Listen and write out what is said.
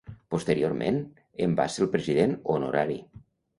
Posteriorment, en va ser el president honorari.